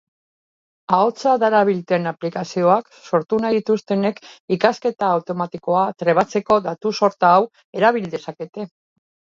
Ahotsa darabilten aplikazioak sortu nahi dituztenek ikasketa automatikoa trebatzeko datu-sorta hau erabil dezakete.